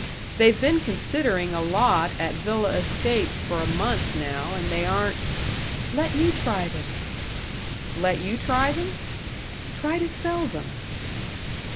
They've been considering a lot at Villa Estates for a month, now, and they aren't " "Let me try them." "Let you try them?" "Try to sell them."